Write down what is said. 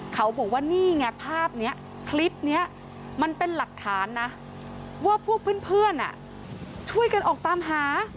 เขาบอกว่านี่ไงภาพนี้คลิปนี้มันเป็นหลักฐานนะว่าพวกเพื่อนช่วยกันออกตามหา